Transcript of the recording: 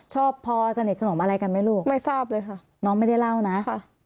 ชอบพอสนิทสนมอะไรกันไหมลูกไม่ทราบเลยค่ะน้องไม่ได้เล่านะค่ะ